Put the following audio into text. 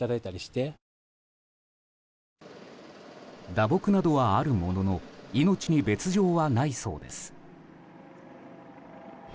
打撲などはあるものの命に別条はないそうです。